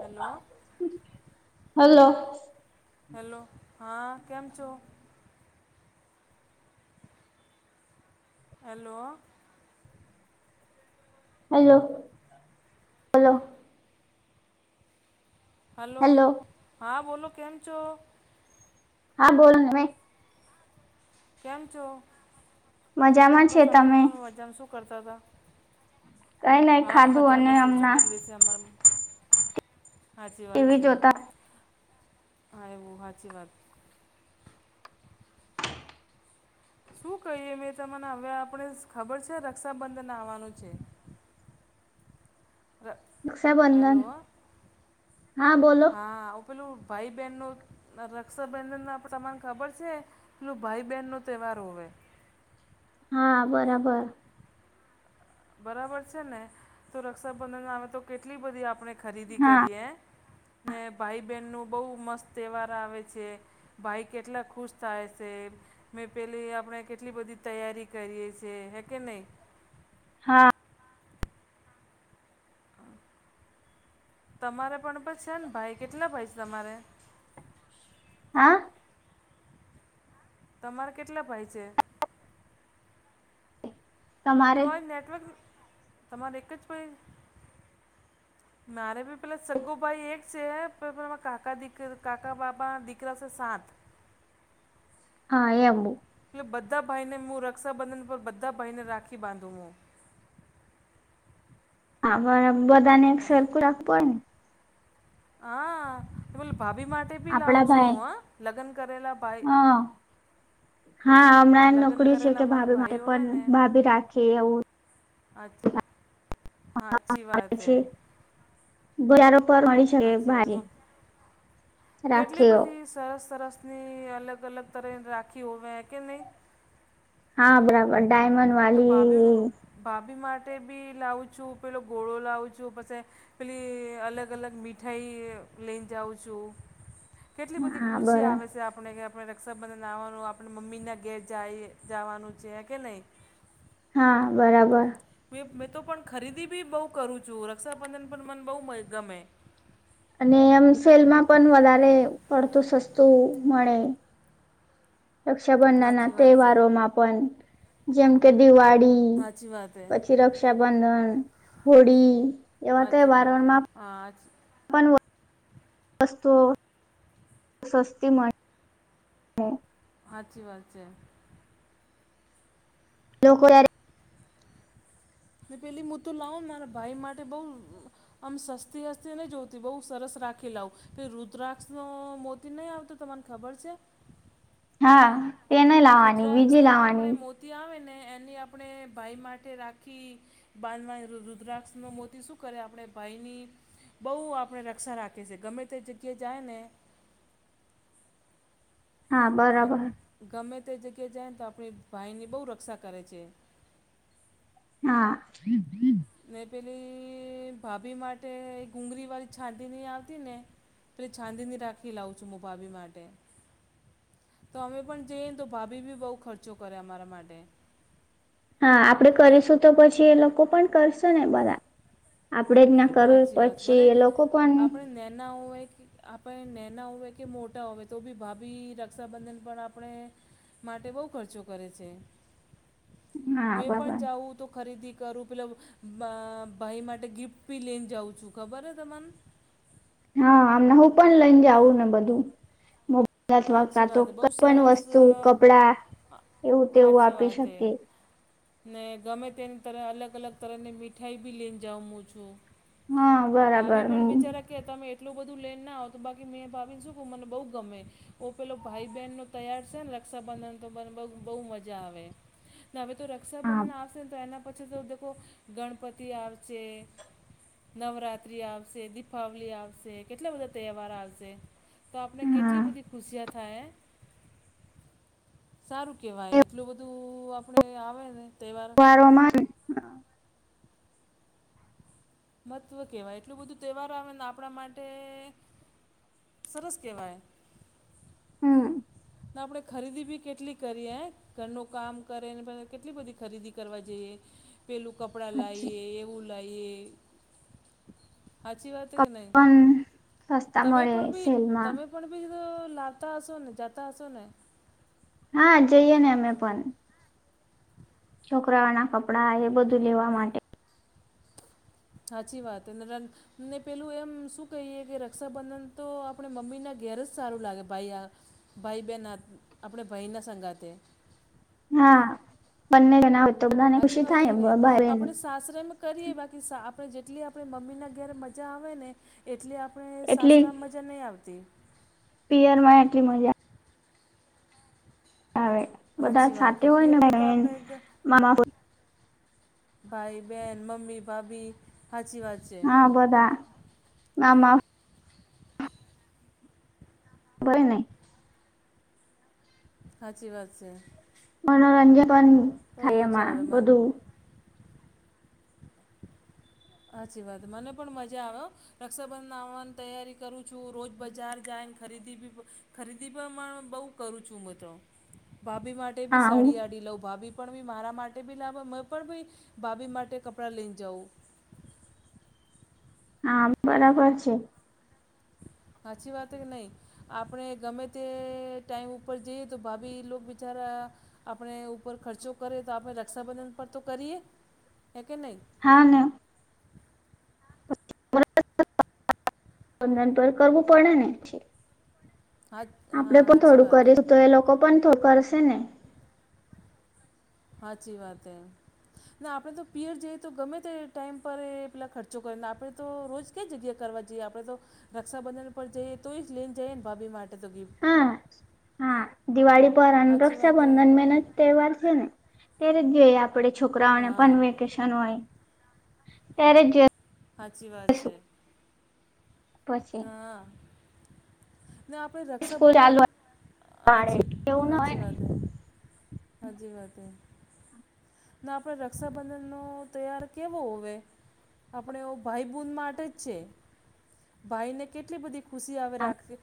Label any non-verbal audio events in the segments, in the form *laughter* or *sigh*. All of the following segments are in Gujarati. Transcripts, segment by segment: હેલો હલો હેલો હા કેમ છો. હેલો હલો હલો હલો હા બોલો કેમ છો. હા બોલ ને મેં કેમ છો. મજામાં છે, બસ અમે તમે પણ મજામાં શું કરતા હતા. કઈ નઈ હા ખાધું મજા અને મેશે શું હમણાં બીગડી સાચી વાત ટીવી છે. જોતા હ વ હાચી વાત શું કહીએ મેં તને હવે આપણે ખબર છે, રક્ષાબંધનન આવવાનું છે. *inaudible* રક્ષાબંધન હેલો હા બોલો હા આવું પેલું ભાઈ બહેનનુ રક્ષાબંધન આપ તમાને ખબર છે પેલું ભાઈ બહેન નો તહેવાર હોય. હા બરાબર બરાબર છે ને તો રક્ષાબંધન નામે તો કેટલી બધી આપણે ખરીદી હા કરીએ ને ભાઈ બહેનનું બહુ મસ્ત તહેવાર આવે છે. ભાઈ કેટલા ખુશ થાય છે. મેં પેલી આપણે કેટલી બધી તૈયારી કરીએ છ છેએ હે કે નહી હા તમારે પણ પછ છે ભાઈ કેટલા ભાઈ છે તમારે હા તમારે કેટલા ભાઈ છે. તમારે તમાર નેટવર્ક તમારે એક જ પ મારે ભી પેલા સગો ભાઈ એક છે કાકા દીક કાકા બાબા દીકરા છે, સાત હા એ અમબુ એટલે બધા ભાઈને હું રક્ષાબંધન પર બધા ભાઈને રાખી બાંધું હુ આ બધા ને એક સરકું રાખવું હોય, ને હા એ બ ભાભી માટે ભી આપડા લાવું છુ. ભાઈ હુ, હ લગ્ન કરેલા ભાઈ હ હા પેલા હમણાં લગ્ન નોકરી છે કરેલા કે મારા ભાભી માટે ભાઈઓ હોય પણ ભાભી રાખી એવુ અ આવે છે બજાર પર મળી શકે સાચી વાત ભાઈ હું કેટલી બધી સરસ સરસની અલગ અલગ તર રાખી હોવે કે નહી. હા બરાબર ડાયમંડ તો ભાભી વાલી ભાભી માટે બી લાવું છું પેલો ગોળો લાવું છું પછી પેલી અલગ અલગ મીઠાઈ લઈને જાઉં છુ. કેટલી બધી હા ખુશી બરા આવે છે, આપણે કે આપણે રક્ષાબંધન આવવાનું આપણે મમ્મીના ઘેર જઈ જવાનું છે, કે નહી. હા બરાબર મેં તો પણ ખરીદી બી બહુ કરું છું રક્ષાબંધન પણ મને બહુ ગમે અને એમ સલમાં પણ વધારે પડતું સસ્તું મળે રક્ષાબંધન ના સાચી વાત છે તહેવારોમાં પણ જેમ કે દિવાળી સાચી વાત છે પછી રક્ષાબંધન હોળી એવા તહેવારણમાં આ પણ વસ્ત સસ્તી મળે. હા. સાાચી વાત છે. લોકોક. *unintelligible* પેલી મો તોુ લાવો મારા ભાઈ માટે બહ આમ સસ્તી હસ્તી નહીં જોતી બહુ સરસ રાખી લાવું કે રુદ્રાક્ષ મોતી નહીં આવતો તમારે ખબર છે. હા તે નય લાવવાની બીજી લાવવાની. ત્યાં આવે ને એની આપણે ભાઈ માટે રાખી બાંધવા રુદ્રાક્ષ ન મોતી શું કરે આપણે ભાઈની બહુ આપણે રક્ષા રાખી છીએ ગમે તે જગ્યાએ જાય ને હા બરાબર. ગમે તે જગ્યાએ જાય ને તો આપણી ભાઈની બહુ રક્ષા કરે છે. હા. ને પેલી ભાભી માટે ગુંગળી વાળી છાંદની આવતી ને પેલે છાંદીની રાખી લાવં છું હું ભાભી માટે. તો અમે પણ જઈએ ને તો ભાભી બી બઉુ ખર્ચો કરે અમારા માટે. હા આપડે કરીશું તો પછી એ લોકો પણ કરશે ને બધા. આપડે જ ના કરવું પછી એ લોકો પણ નના હોય કે. આપણે નનેના હોય કે મોટા હોય તો બી ભાભી રક્ષાબંધન પણ આપણે માટે બહુ ખર્ચો કરે છે. હા મેં પણ બરાબર જાઉં તો ખરીદી કરું પેલા ભાઈ માટે ગિફ્ટ પી લઈને જાઉં છું ખબર હ ત મને. હા આમને હું પણ લઈને જ આવું ને બધું મો. અથવા ક સાચી તો વાત બહુ કઈ પણ સરસ વસ્તુ અ, કપડા એવું તેવું સાચી આપી વાત હે શકી. ને ગમે તેની તર અલગ અલગ તરની મીઠાઈ ભી લઈને જું છું. હા બરાબર ભાભી પણ હમ બિચારા કે તમે એટલું બધું લેને ના આવ તો બાકી મેં ભાવીને શું મને બહુ ગમે પેલો ભાઈ બહેનનો તૈયાર છે ને રક્ષાબંધન તો બહુ મજા આવે હવે. તો હા રક્ષાબંધન આવશે ને તો એના પછી તો દેખો ગણપતિ આવશે નવરાત્ર્રી આવશે, દિપાવલી આવશે કેટલા બધા તહેવાર આવશે. તો આપને કેટલી હા બધી ખુશિયા થાય. સારું કેવાય એટલું બધું આપડે આવે ને તહેવાર પારમાં. *unintelligible* મહત્ત્વ કહેવાય એટલું બધું તહેવારો આવે ને આપણા માટે સરસ કહેવાય. હમ્મ. આપણે ખરીદી બી કેટલી કરીએ. ઘરનું કામ કરે ને કેટલી બધી ખરીદી કરવા જઈએ. પેલું કપડાં પછી લાઈએ એવું લાવએ. સાચી વાત કે નહી? પણ સસ્તા તમે મળે પણ ભી સેલમાં તમે પણ બીધ લતા અસુને જતાા હસો ને. હા જઈએ ને અમે પણ. છોકરાઓ ના કપડા એ બધું લેવા માટે. સાચી વાત એ ર ને પેલું એમ શું કહીએ કે રક્ષાબંધન તો આપણે મમ્મીના ઘેર જ સારું લાગે ભાઈ આ ભાઈ બહેન આપણે ભાઈના સંગાતે. હા બંને જ ના હોય તો બધાને ખુશી થાય. સસરા માં કરી બાકી આપણે જેટલી આપણે મમ્મીના ઘેરે મજા આવે ને એટલી આપણે સાસરામાં મા જન આવતી પિયર માં એટલી મજા આવે બધા સાચચી વાત હ સાથે હોય પયાર ને મે તો બહેન આપણે એક મામા ભાઈ બેહેન મમ્મી ભાભી સાચી વાત છે હા બોધા નામ ભય નહી સાાચી વાત છે મનોરંજન પણ બહુ ખાય મજા એમાં આવે મન બધું સાચી વાત મને પણ મજા આવ્યો રક્ષાબંધન આવવાની તૈયારી કરું છું રોજ બજાર જાય ખરીદી બી ખરીદી પણ બહુ કરું છું મ તો ભાભી માટે બી હા સાડી આડી લઉં ભાભી પણ બી મારા માટે બી લાભ હો મેં પણ બી ભાભી માટે કપડાં લઈને જાઉં હા બરાબર છે હછી વાત કે નહી આપણે ગમે તે ટાઈમ ઉપર જઈએ તો ભાભી બિચારા આપણે ઉપર ખર્ચો કરે તો આપણે રક્ષાબંધન પર તો કરીએ હે કે નહીં હા ન વંદન પર કરવું પડે ને હા હા આપડે પણ સાચી થોડું વાત હે કરીશું તો એ લોકો પણ થોડું કરશે ને હાચી વાત હૈ ના આપણે તો પિયર જઈએ તો ગમે તે ટાઈમ પર એ પેલા ખર્ચો કરીને આપણે તો રોજ ક જગ્યા કરવા જઈએ આપણેે તો રક્ષાબંધન પર જઈએ તો એ જ લઈને જઈએ ને ભાભી માટે તો ગી હા હા દિવાળી પર અને સાચી વાત હે રક્ષાબંધન ને મેનત તહેવાર છે ને તે્યારે જ આપ આપે છોકરાઓને હા પણ વેકેશન હોય ત્યારે સાચી વાત છે પછી હા નાને આપણે સ્કૂલ રક્ષાબંધન ચાલુ હાચી એવું ના હોય સાાચી ને વાત હ હાજી વાત ના આપણે રક્ષાબંધનનો તૈયાર કેવો હવે આપણે એવો ભાઈ બૂન માટે જ છે ભાઈ ને કેટલી બધી ખુશી આવે રાખી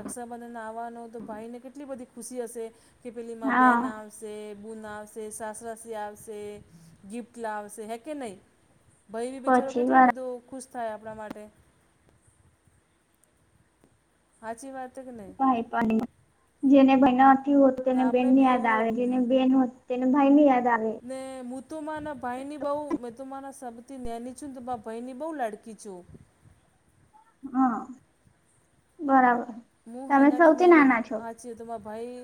રક્ષાબંધન આવવાનો તો ભાઈને કેટલી બધી ખુશી હશે કે પેલીમાં હા બેન આવશે બૂ ના આવશે છે સાસરા સિ આબશે ગિફ્ટ લાવશે હે કે નહી ભયવી બિચારો પછી કેટલો વાર બધો ખુશ થાય આપણા માટે હાચી વાત કે નહીં ભપ ન જેને બહેનો અથી હોતે ને બહેન આપણે ની બી યાદ એવું આવે જેને બેહેન હો ત તેને ભાઈ ની યાદ આવે ને હું તો માના ભાઈની બહુ મેં તો માના સૌથી નેની છું ને તો મા ભાઈની બહુ લડકી છું હા બરાબર હું તમે હેંગાથી સૌથી નેની નાના છો અચ તમર ભાઈ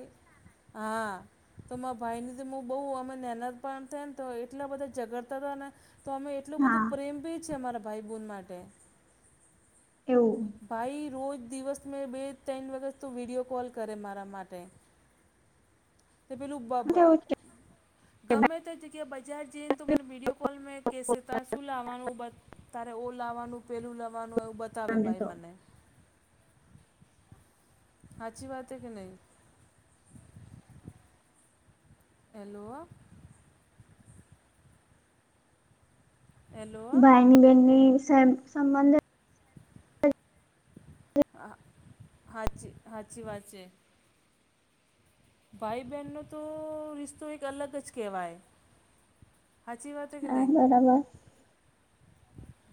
હા તો મા ભાઈ ની હ બહ અમે નહેનત પણ થયા ને તો એટલા બધા ઝગડતા હતા તો અમે એટલું હા બધું પ્રેમ બી છીએ અમારા ભાઈ બન માટે એવું ભાઈ રોજ દિવસ મેં બે ત્રણ વખત તો વિડીિયો કોલ કરે મારા માટે તે પેલુંબબ કેવું છે ગમે તે તો જેગ્યા બજાર જઈને તો મને વિડીયો કોલમાં કહેસે હતા શું લાવવાનું બધ તારે ઓ લાાવવાનું પેલું લાવવાનું એવું બતાવે તમને ભાઈ તો મને અાછી વાત હૈ કે નહી હેલો હેલો. બની સંબંધ. હ, હાચી, હાચી વાત છે. ભાઈ બેનનો તો રિશતો એક અલગ જ કેવાય. હાચી વાતે કે નઈ? *unintelligible*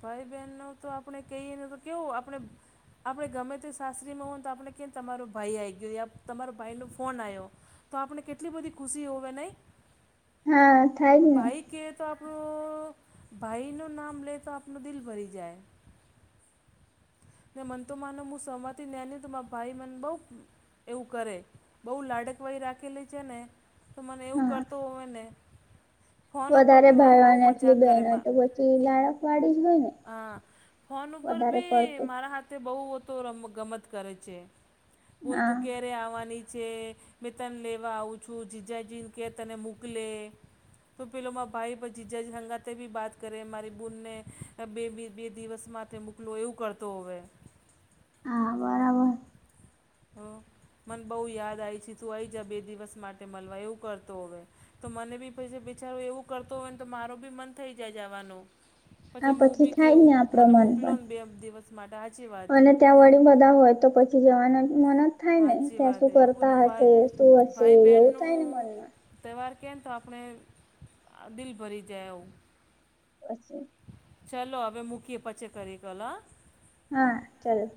ભાઈ બેનનો તો આપણે કહીએને તો કેવું આપણે આપણે ગમે તે સાસરીમાં હોય તો આપણે કે તમારો ભાઈ આયી ગયો તમારો ભાઈનો ફોન આયો. તો આપણે કેટલી બધી ખુશી હોવે નઈ. હા થાય જ ને ભાઈ કે તો આપણું ભાઈનું નામ લેતો આપ દિલ ભરી જાય. ને મન તો માનો હું સવાતી ન તો માર ભાઈ મને બો એવું કરે બો લાડકવાય રાખેલી છે ને. તો મને એવું હા કરતો હોય ને. ફોન ઉપર વધારે બી મને ભાઈઓ બોઉ અને એટલી મજાક કરે બહેન હોય માં તો પછી લાડક વાળી જ હોય ને હા. ફોન ઉપર વધારે ભી મા પડતું મારા હાથે બોઉ રમ ગમત કરે છે હુ તુ હા ક્યારે આવવાની છે. મેં તને લેવા આવું છું જીજાજીન કે તને મોકલે. તો પેલો મા ભાઈ પછી જજ હંગાતે બી બાત કરે મારી બૂનને બે બે દિવસમાં તે મૂકલો એવું કરતો હોવે. હા બરાબર હ, મન બો યાદ આવી છે તું આઈ જ બે દિવસ માટે મળવા એવું કરતો વે. તો મને બી પછી બિચારો એવું કરતો હોય ને તો મારો બી મન થઈ જાય જાવાનું. હા, પછી થાય ને આપડો મન મોકલો પણ ને બે દિવસ માટે સાચી વાત હે અને ત્યાં વળી બધા હોય તો પછી જવાનું મન જ થાય ને સાચી ત્યાં વાત શું હે એવું કરતા બધું હશે, ભાઈ શું હશે ભાઈ એવું બહેનનું થાય ને મનમાં. તહેવાર કેમ તો આપણે દિલ ભરી જાય એવું. પછી? ચલો હવે મૂકીએ પછી કરી કલ હ. હા, ચલ.